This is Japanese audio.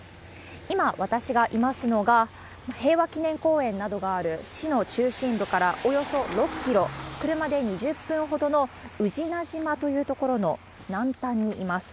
今、私がいますのは、平和記念公園などがある市の中心部からおよそ６キロ、車で２０分ほどの宇品島という所の南端にいます。